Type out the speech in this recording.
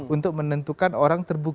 untuk menentukan orang terbenam